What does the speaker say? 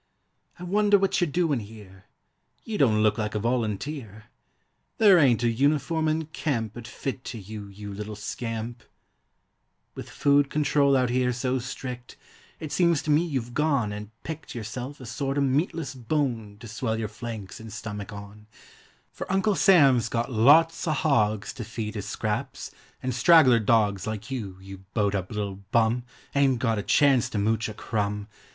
I wonder what you're doin' here? You don't look like a volunteer! There ain't a uniform in camp 'Ould fit to you, you little scamp f With food control out here so strict It seems to me you've gone and picked Yourself a sort o' meatless bone To swell your flanks and stummick on, For Uncle Sam's got lots o r hogs To feed his scraps, and straggler dogs Like you, you bowed up little hum, Ain't got a chance to mooch a crumb!